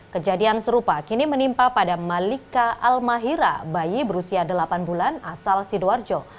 kejadian serupa kini menimpa pada malika almahira bayi berusia delapan bulan asal sidoarjo